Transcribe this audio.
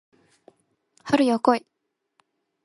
春よ来い